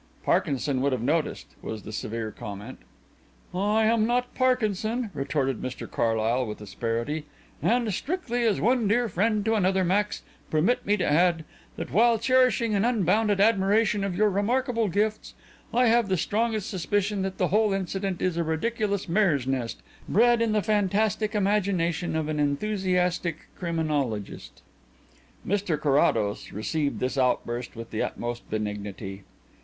"Parkinson would have noticed," was the severe comment. "I am not Parkinson," retorted Mr Carlyle, with asperity, "and, strictly as one dear friend to another, Max, permit me to add, that while cherishing an unbounded admiration for your remarkable gifts, I have the strongest suspicion that the whole incident is a ridiculous mare's nest, bred in the fantastic imagination of an enthusiastic criminologist." Mr Carrados received this outburst with the utmost benignity.